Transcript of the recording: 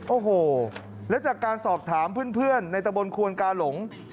โอ้โหแล้วจากการสอบถามเพื่อนในตะบนควนกาหลง